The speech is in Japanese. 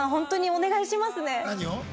お願いします。